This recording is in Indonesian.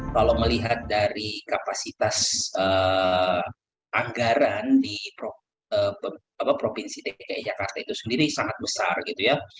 kalau melihat dari kapasitas anggaran di provinsi dki jakarta itu sendiri sangat besar gitu ya